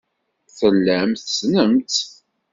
Tellam tessnem-tt.